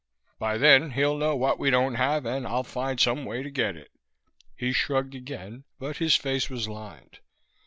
By then he'll know what we don't have, and I'll find some way to get it." He shrugged again, but his face was lined.